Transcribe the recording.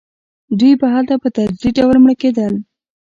دوی به هلته په تدریجي ډول مړه کېدل.